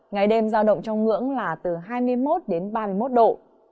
ngày đêm giao động trong ngưỡng là từ hai mươi một đến ba mươi một độ